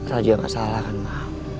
raja gak salah kan ma